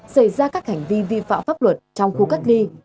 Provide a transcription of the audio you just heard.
xảy ra các hành vi vi phạm pháp luật trong khu cách ly